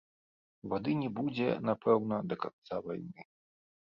Вады не будзе, напэўна, да канца вайны.